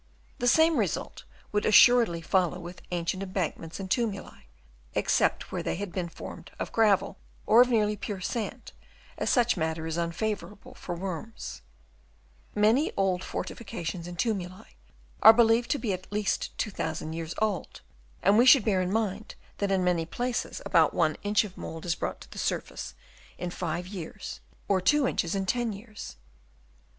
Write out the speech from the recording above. The same result would assuredly follow with ancient embankments and tumuli ; except where they had been formed of gravel or of nearly pure sand, as such matter is unfavourable for worms. Many old fortifications and tumuli are believed to be at least 2000 years old ; and we should bear in mind that in many places about one inch of mould is brought to the surface in 5 years or Chap. VI. ANCIENTLY PLOUGHED FIELDS. 295 two inches in 10 years.